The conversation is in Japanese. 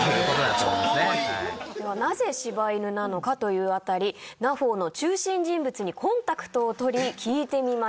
ではなぜ柴犬なのかという辺りＮＡＦＯの中心人物にコンタクトを取り聞いてみました。